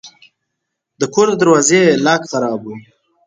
د کور د دروازې لاک خراب و.